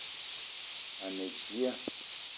A ne dia